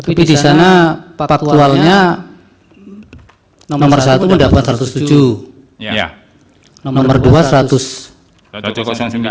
tapi di sana paktualnya nomor satu mendapatkan satu ratus tujuh